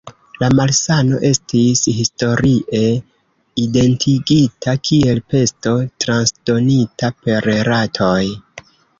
La malsano estis historie identigita kiel pesto transdonita per ratoj.